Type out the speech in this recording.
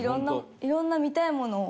色んな見たいものを。